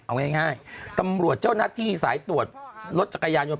เอาง่ายตำรวจเจ้าหน้าที่สายตรวจรถจักรยานยนต